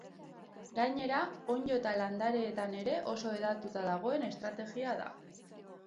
Gainera, onddo eta landareetan ere oso hedatuta dagoen estrategia da.